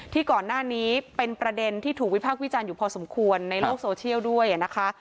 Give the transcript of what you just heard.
ก่อนหน้านี้เป็นประเด็นที่ถูกวิพากษ์วิจารณ์อยู่พอสมควรในโลกโซเชียลด้วยนะคะ